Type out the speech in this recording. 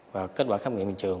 và kết quả khám nghiệm hiện trường